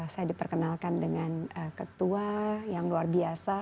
saya diperkenalkan dengan ketua yang luar biasa